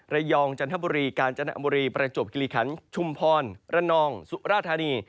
จันทบุรีกาญจนบุรีประจวบกิริขันชุมพรระนองสุราธานี